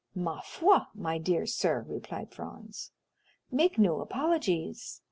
"Ma foi, my dear sir," replied Franz, "make no apologies.